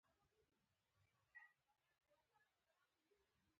بېساري وړتیاوې هغه په بشپړ ډول واکمنوي.